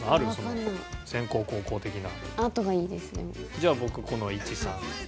じゃあ僕この１・３。